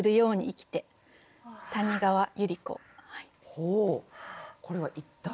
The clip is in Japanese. ほうこれは一体？